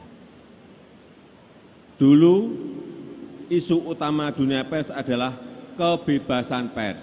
hai dulu isu utama dunia pers adalah kebebasan pers